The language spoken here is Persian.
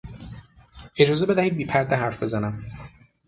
اجازه بدهید بی پرده حرف بزنم.